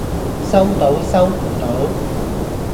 收到收唔到